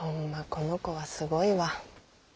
この子はすごいわ。